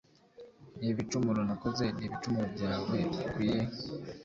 Ni ibicumuro nakoze ni ibicumuro byawe bikwiye.